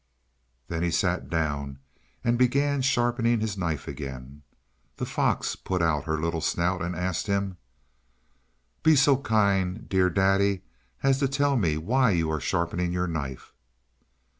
Then he sat down, and began sharpening his knife again. The fox put out her little snout, and asked him: "Be so kind, dear daddy, as to tell me why you are sharpening your knife!"